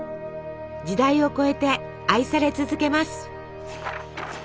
時代を超えて愛され続けます。